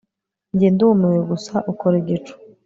Njye ndumiwe gusa ukora igicu